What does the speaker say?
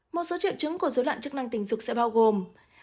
một số triệu chứng của dối loạn chức năng tình dục sẽ bao gồm